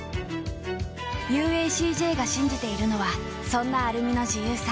ＵＡＣＪ が信じているのはそんなアルミの自由さ。